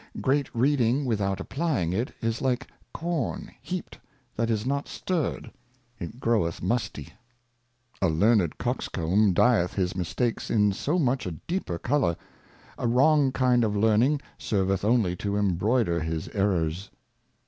Great Reading without applying it, is like Corn heaped that is not stirred, it groweth musty. A learned Coxcomb dyeth his Mistakes in so much a deeper Colour : A wrong kind of Learning serveth only to embroider his Errors.